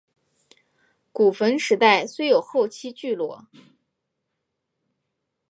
古坟时代虽有后期聚落。